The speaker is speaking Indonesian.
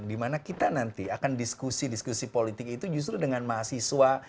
dimana kita nanti akan diskusi diskusi politik itu justru dengan mahasiswa